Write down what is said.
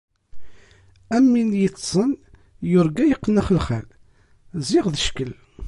Am win yeṭṭsen yurga yeqqen axelxal ziɣ d cckel.